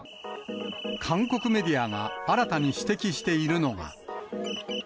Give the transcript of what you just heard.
韓国メディアが新たに指摘しているのが。